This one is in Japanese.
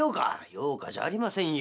「用かじゃありませんよ。